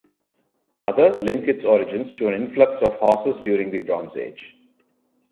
Other link its origins to an influx of horses during the Bronze Age.